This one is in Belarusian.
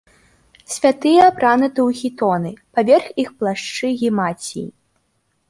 Святыя апрануты ў хітоны, паверх іх плашчы-гімаціі.